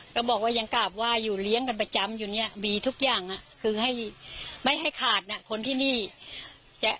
คงเสียใจเปล่าไม่รู้